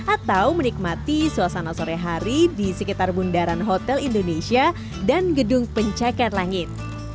atau menikmati suasana sore hari di sekitar bundaran hotel indonesia dan gedung pencakar langit